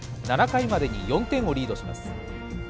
７回までに４点をリードします。